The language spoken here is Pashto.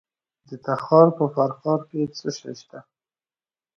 د تخار په فرخار کې څه شی شته؟